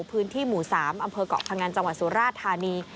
พื้นที่หมู่๓อำเภอกเกาะพงันจังหวัดสุราชธานี